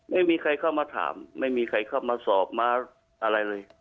ไม่มีใครเข้ามาถามไม่มีใครเข้ามาสอบมาอะไรเลย